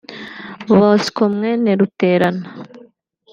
Bosco (Mwene Ruterana)